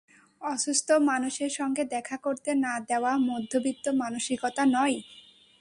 অসুস্থ মানুষের সঙ্গে দেখা করতে না-দেওয়া মধ্যবিত্ত মানসিকতা নয়।